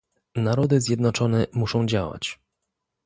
Narody Zjednoczone muszą działać